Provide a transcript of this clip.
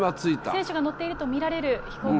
選手が乗っていると見られる飛行機。